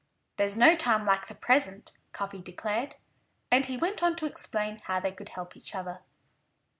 "There's no time like the present," Cuffy declared. And he went on to explain how they could help each other.